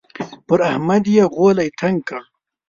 پر احمد يې غولی تنګ کړ.